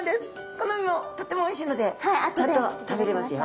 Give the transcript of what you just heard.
この身もとってもおいしいのでちゃんと食べれますよ。